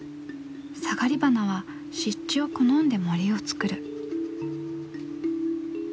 サガリバナは湿地を好んで森をつくる。